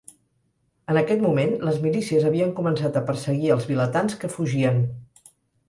En aquest moment, les milícies havien començat a perseguir els vilatans que fugien.